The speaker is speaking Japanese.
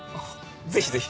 ぜひぜひ！